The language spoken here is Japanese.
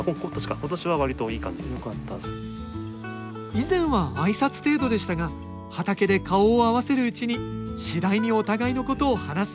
以前は挨拶程度でしたが畑で顔を合わせるうちに次第にお互いのことを話すようになりました